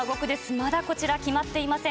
まだこちら、決まっていません。